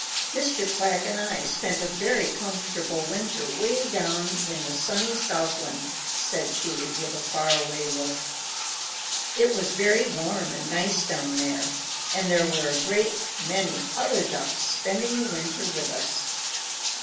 "Mr. Quack and I spent a very comfortable winter way down in the sunny Southland," said she with a far away look. "It was very warm and nice down there, and there were a great many other Ducks spending the winter with us.